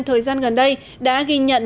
thời gian gần đây đã ghi nhận